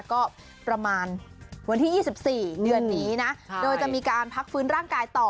ก็ประมาณวันที่๒๔เดือนนี้นะโดยจะมีการพักฟื้นร่างกายต่อ